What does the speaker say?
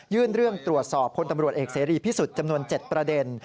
เรื่องตรวจสอบพลตำรวจเอกเสรีพิสุทธิ์จำนวน๗ประเด็น